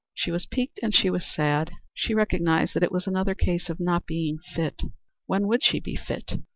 She was piqued and she was sad. She recognized that it was another case of not being fit. When would she be fit?